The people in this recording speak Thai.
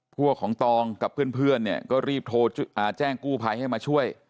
พวกของตองกับเพื่อนเนี่ยก็รีบโทรแจ้งกู้ภัยให้มาช่วย